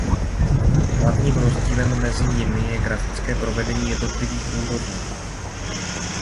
Hlavním rozdílem mezi nimi je grafické provedení jednotlivých úrovní.